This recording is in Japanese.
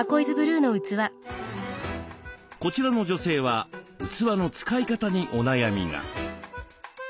こちらの女性は器の使い方にお悩みが。